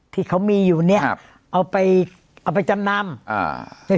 ที่เขามีอยู่เนี้ยครับเอาไปเอาไปจำนำอ่า